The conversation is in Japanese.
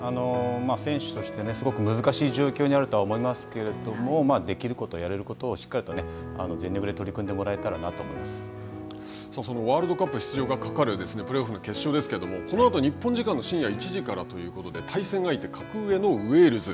選手としてすごく難しい状況にあると思いますけれども、できること、やれることをしっかりと全力で取り組んでもらワールドカップ出場がかかるプレーオフの決勝ですけれども、このあと、日本時間の深夜１時からということで、対戦相手格上のウェールズ。